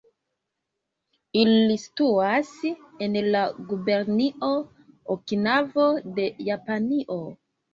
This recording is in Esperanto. Ili situas en la gubernio Okinavo de Japanio.